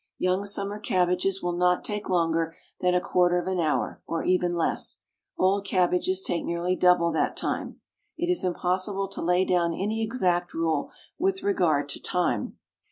Young summer cabbages will not take longer than a quarter of an hour, or even less; old cabbages take nearly double that time. It is impossible to lay down any exact rule with regard to time.